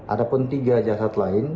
ada pun tiga jasad lain